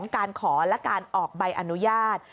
การขอและการออกใบอนุญาต